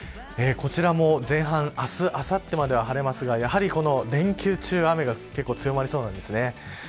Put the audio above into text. こちらも前半明日あさってまでは晴れますがやはり連休中、雨が強まりそうなんです。